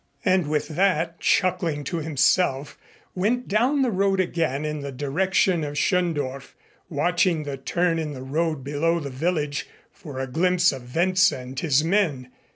And with that, chuckling to himself, went down the road again in the direction of Schöndorf, watching the turn in the road below the village for a glimpse of Wentz and his men.